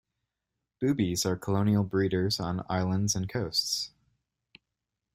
Boobies are colonial breeders on islands and coasts.